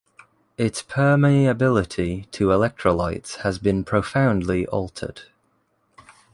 Its permeability to electrolytes has been profoundly altered.